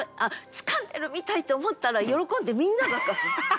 掴んでるみたい」って思ったら喜んでみんなが書く。